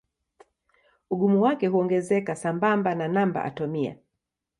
Ugumu wake huongezeka sambamba na namba atomia.